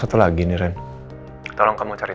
satu lagi nih ren tolong kamu cari